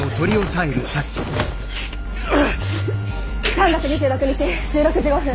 ３月２６日１６時５分。